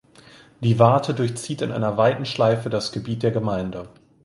Die Warthe durchzieht in einer weiten Schleife das Gebiet der Gemeinde.